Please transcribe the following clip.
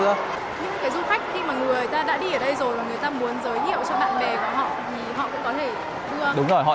những cái du khách khi mà người ta đã đi ở đây rồi mà người ta muốn giới thiệu cho bạn bè của họ thì họ cũng có thể đưa họ